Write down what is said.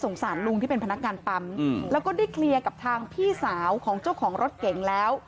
สารลุงที่เป็นพนักงานปั๊มแล้วก็ได้เคลียร์กับทางพี่สาวของเจ้าของรถเก่งแล้ว